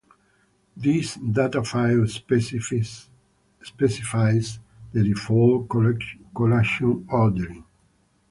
This datafile specifies the default collation ordering.